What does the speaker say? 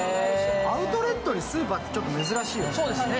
アウトレットにスーパーってちょっと珍しいよね。